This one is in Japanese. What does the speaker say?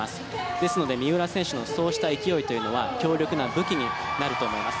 ですので三浦選手のそうした勢いというのは強力な武器になると思います。